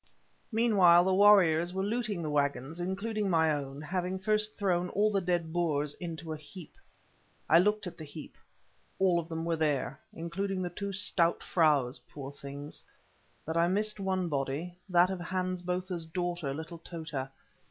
Meanwhile the warriors were looting the waggons, including my own, having first thrown all the dead Boers into a heap. I looked at the heap; all of them were there, including the two stout fraus, poor things. But I missed one body, that of Hans Botha's daughter, little Tota.